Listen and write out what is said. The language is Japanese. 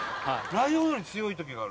ライオンより強いときがある？